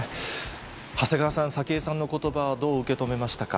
長谷川さん、早紀江さんのことば、どう受け止めましたか。